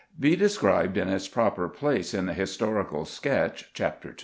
be described in its proper place in the Historical Sketch (Chapter II.)